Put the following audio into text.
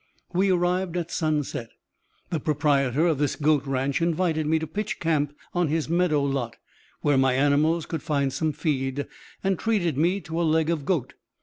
We arrived at sunset. The proprietor of this goat ranch invited me to pitch camp on his meadow lot, where my animals could find some feed, and treated me to a leg of goat.